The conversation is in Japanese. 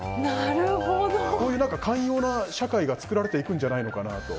こういう寛容な社会が作られていくんじゃないかなと。